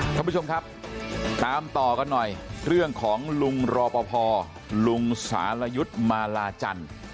ท่านผู้ชมครับตามต่อกันหน่อยเรื่องของลุงรอปภลุงสารยุทธ์มาลาจันทร์